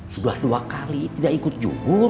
sudah dua kali tidak ikut jubur